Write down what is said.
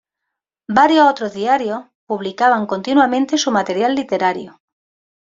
Varios otros diarios publicaban continuamente su material literario.